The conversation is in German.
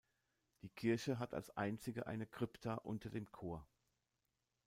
Die Kirche hat als einzige eine Krypta unter dem Chor.